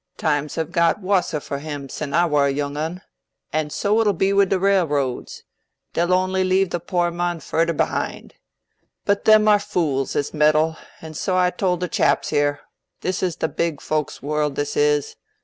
Times ha' got wusser for him sin' I war a young un. An' so it'll be wi' the railroads. They'll on'y leave the poor mon furder behind. But them are fools as meddle, and so I told the chaps here. This is the big folks's world, this is.